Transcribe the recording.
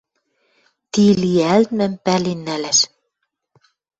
Ти лиӓлтмӹм пӓлен нӓлӓш